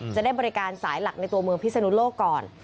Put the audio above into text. จะได้บริการสายหลักในตัวเมืองพิศนุโลกก่อน